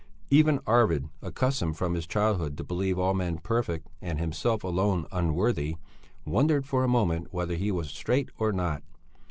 Even Arvid, accustomed from his childhood to believe all men perfect and himself alone unworthy, wondered for a moment whether he was straight or not?